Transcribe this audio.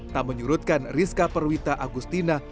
tak menyurutkan rizka perwita agustina